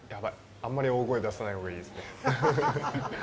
あんまり大声出さないほうがいいですね、フフフ。